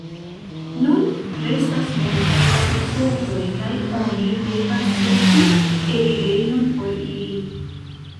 Nun restas multaj laborfortoj kaj oni devas serĉi elirejon por ili.